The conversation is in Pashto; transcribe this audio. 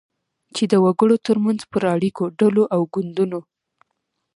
چی د وګړو ترمنځ پر اړیکو، ډلو او ګوندونو